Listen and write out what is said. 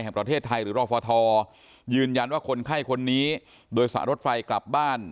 แห่งประเทศไทยหรือรอฟทยืนยันว่าคนไข้คนนี้โดยสารรถไฟกลับบ้าน